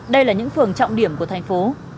đây là những phường trọng điểm của thành phố